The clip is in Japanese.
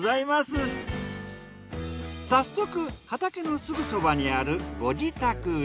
早速畑のすぐそばにあるご自宅へ。